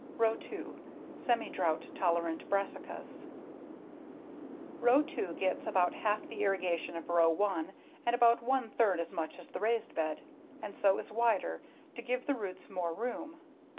Row 2: Semi Drought Tolerant Brassicas Row 2 gets about half the irrigation of row 1 and about one third as much as the raised bed, and so is wider, to give the roots more room.